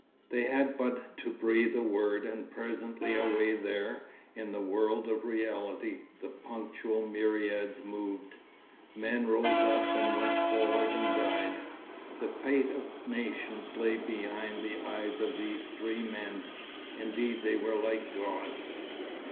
They had but to breathe a word and presently away there, in the world of reality, the punctual myriads moved. Men rose up and went forward and died. The fate of nations lay behind the eyes of these three men. Indeed they were like gods.